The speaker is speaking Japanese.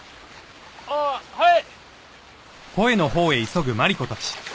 ああはい！